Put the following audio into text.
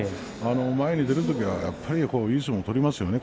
前に出るときは、いい相撲を取りますよね